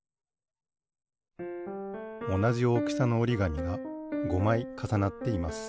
おなじおおきさのおりがみが５まいかさなっています。